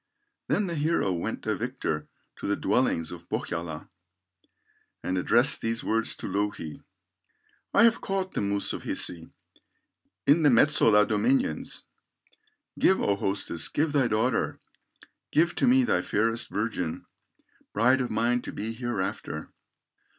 Then the hero went a victor To the dwellings of Pohyola, And addressed these words to Louhi: "I have caught the moose of Hisi, In the Metsola dominions, Give, O hostess, give thy daughter, Give to me thy fairest virgin, Bride of mine to be hereafter."